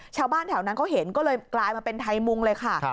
ชาวบ้านแถวนั้นเขาเห็นก็เลยกลายมาเป็นไทยมุงเลยค่ะ